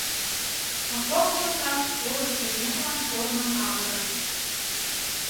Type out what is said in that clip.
А кок йолташ орышо еҥлан корным авырыш.